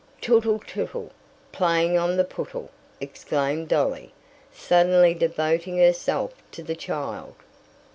"Tootle, tootle, playing on the pootle!" exclaimed Dolly, suddenly devoting herself to the child.